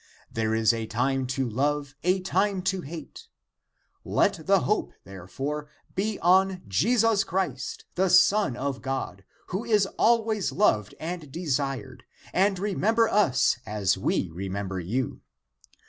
There is a time to love, a time to hate.^ Let the hope, therefore, be on Jesus Christ, the Son of God, who is always loved and desired, and remember us, as we remember you.